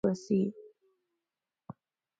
هرځل چې واکسین تطبیق شي، وباګانې کنټرول نه باسي.